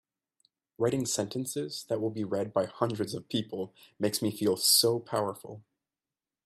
Writing sentences that will be read by hundreds of people makes me feel so powerful!